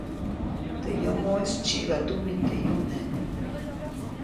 Teʼ yomoʼis tsyiba tumin teʼ ʼyune.